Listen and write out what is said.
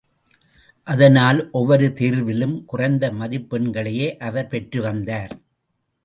அதனால், ஒவ்வொரு தேர்விலும் குறைந்த மதிப்பெண்களையே அவர் பெற்று வந்தார்.